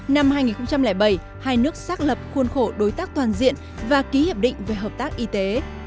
năm hai nghìn bảy hai nước xác lập khuôn khổ đối tác toàn diện và ký hiệp định về hợp tác y tế